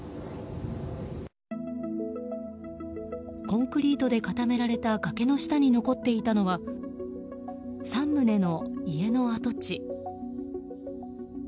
コンクリートで固められた崖の下に残っていたのは３棟の家の跡地。